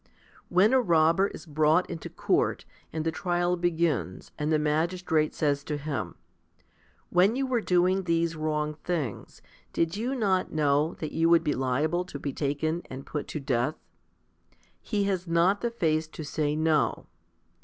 When a robber^ is brought into court, and the trial begins, and the magistrate says to him, "When you were doing these wrong things, did you not know that you would be liable to be taken and put to death ?" He has not the face to say "No."